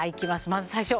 まず最初。